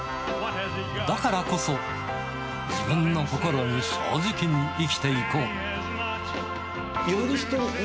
だからこそ、自分の心に正直に生きていこう。